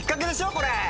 ⁉これ。